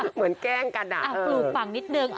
เหมือนแกล้งกันอ่ะปลูกฝั่งนิดนึง